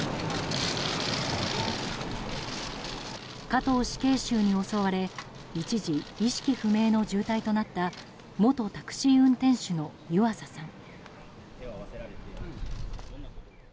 加藤死刑囚に襲われ一時、意識不明の重体となった元タクシー運転手の湯浅さん。